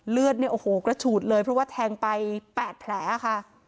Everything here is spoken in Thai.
เลือดเนี่ยโอ้โหกระฉูดเลยเพราะว่าแทงไป๘แผลค่ะ